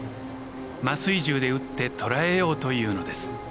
麻酔銃で撃って捕らえようというのです。